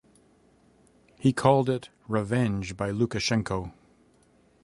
He called it "revenge by Lukashenko".